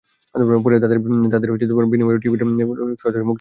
পরে তাদের বিনিময়ে টিটিপির কারাবন্দী সদস্যদের মুক্ত করে আনাই ছিল লক্ষ্য।